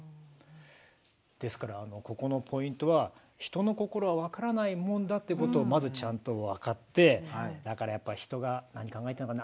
ですからここのポイントは人の心は分からないもんだっていうことをまずちゃんと分かってだからやっぱ人が何考えてるのかな